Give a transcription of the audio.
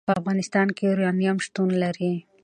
په افغانستان کې یورانیم شتون لري.